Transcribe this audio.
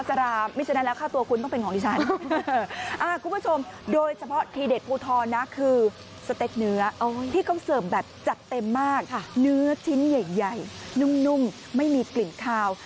ที่เขาเสิร์ฟแบบจัดเต็มมากเนื้อชิ้นใหญ่นุ่มไม่มีกลิ่นขาว